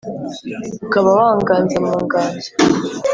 Ukaba wanganza mu nganzo